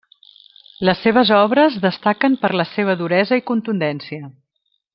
Les seves obres destaquen per la seva duresa i contundència.